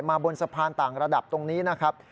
บนสะพานต่างระดับตรงนี้นะครับ